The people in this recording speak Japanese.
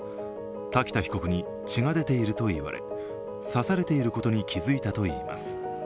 瀧田被告に、血が出ていると言われ刺されていることに気付いたといいます。